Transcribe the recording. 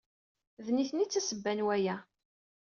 D nitni ay d tasebba n waya.